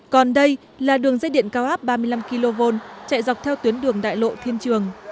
còn đây là đường dây điện cao áp ba mươi năm kv chạy dọc theo tuyến đường đại lộ thiên trường